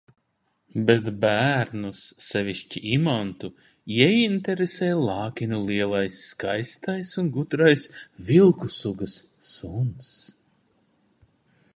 Bet bērnus, sevišķi Imantu, ieinteresē Lākinu lielais skaistais un gudrais vilku sugas suns.